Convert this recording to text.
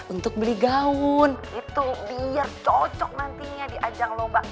untuk beli gaun itu biar cocok nantinya di ajang lomba